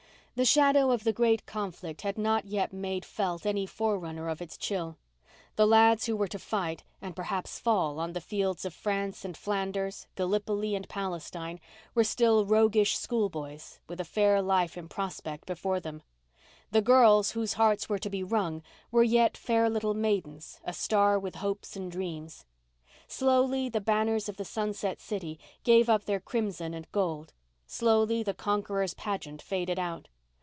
The shadow of the Great Conflict had not yet made felt any forerunner of its chill. The lads who were to fight, and perhaps fall, on the fields of France and Flanders, Gallipoli and Palestine, were still roguish schoolboys with a fair life in prospect before them: the girls whose hearts were to be wrung were yet fair little maidens a star with hopes and dreams. Slowly the banners of the sunset city gave up their crimson and gold; slowly the conqueror's pageant faded out.